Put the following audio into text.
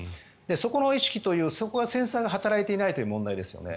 そこの意識というそこのセンサーが働いていないという問題ですよね。